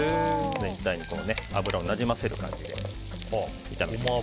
全体に油を馴染ませる感じで炒めていきます。